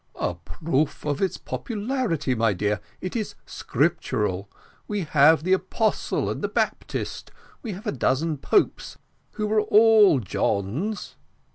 "A proof of its popularity, my dear. It is scriptural we have the apostle and the baptist we have a dozen popes who were all Johns.